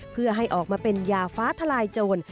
เพื่อให้ออกมาเป็นยาฟ้าทลายโจร